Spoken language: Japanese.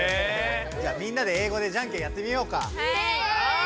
じゃあみんなで英語でじゃんけんやってみようか。